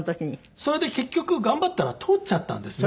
それで結局頑張ったら通っちゃったんですね。